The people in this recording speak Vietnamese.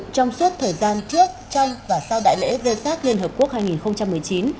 trong suốt thời gian trước trong và sau đại lễ vê sát liên hợp quốc hai nghìn một mươi chín